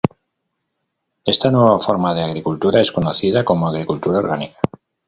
Esta nueva forma de agricultura es conocida como Agricultura Orgánica.